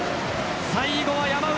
最後は山内。